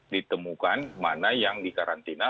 ditemukan mana yang dikarantina